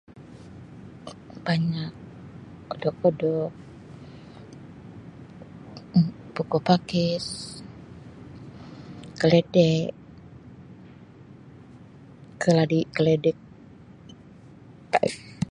Banyak kodok-kodok, Um pokok pakis, keledek, keladi keledek